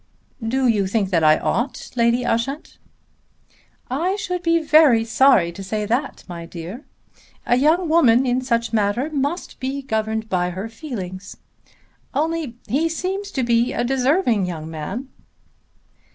"Do you think that I ought, Lady Ushant?" "I should be very sorry to say that, my dear. A young woman in such a matter must be governed by her feelings. Only he seems to be a deserving young man!"